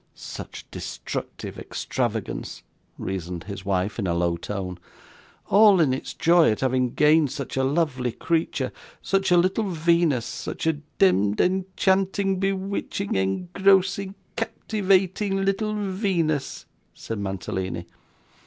'Such destructive extravagance,' reasoned his wife, in a low tone. 'All in its joy at having gained such a lovely creature, such a little Venus, such a demd, enchanting, bewitching, engrossing, captivating little Venus,' said Mantalini.